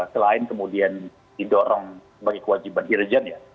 selain kemudian didorong sebagai kewajiban irjen ya